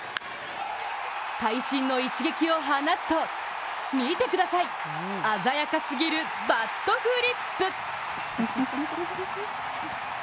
会心の一撃を放つと、見てください、鮮やかすぎるバットフリップ！